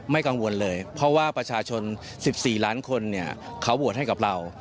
กังวลเลยเพราะว่าประชาชน๑๔ล้านคนเขาโหวตให้กับเรา